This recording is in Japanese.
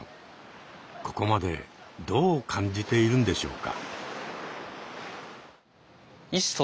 ここまでどう感じているんでしょうか？